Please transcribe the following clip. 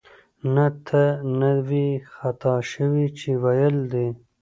نه، ته نه وې خطا شوې چې ویل دې